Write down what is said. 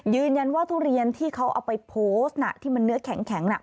ทุเรียนที่เขาเอาไปโพสต์น่ะที่มันเนื้อแข็งน่ะ